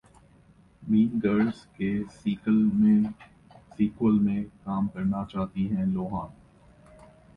'mean Girls' के sequel में काम करना चाहती हैं लोहान